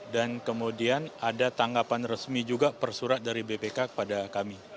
dan kemudian ada tanggapan resmi juga persurat dari bpk kepada kami